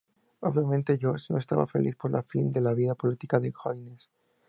Obviamente Josh no estaba feliz por el fin de la vida política de Hoynes.